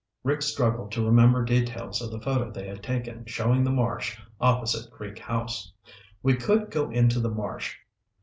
Rick struggled to remember details of the photo they had taken showing the marsh opposite Creek House. "We could go into the marsh.